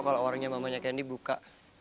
kalau warungnya mamanya candy buka